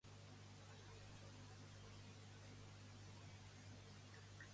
Vedelha és un municipi francès, situat a la regió d'Aquitània, departament de l'Arieja.